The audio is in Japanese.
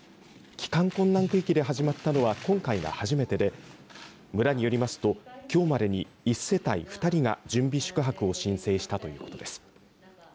帰還困難区域で始まったのは今回が初めてで村によりますときょうまでに１世帯２人が準備宿泊を申請したということです。